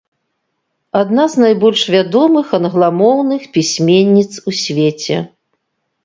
Адна з найбольш вядомых англамоўных пісьменніц у свеце.